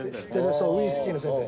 そうウイスキーの宣伝。